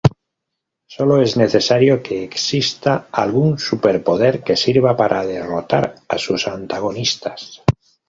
Solo es necesario que exista algún superpoder que sirva para derrotar a sus antagonistas.